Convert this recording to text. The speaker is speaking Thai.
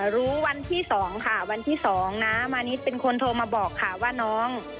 รู้วันที่๒ค่ะวันที่๒น้ามานิดเป็นคนโทรมาบอกค่ะว่าน้อง